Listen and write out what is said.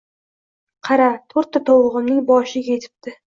Qara, to`rtta tovug`imning boshiga etibdi